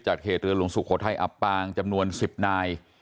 เหตุเรือหลวงสุโขทัยอับปางจำนวน๑๐นาย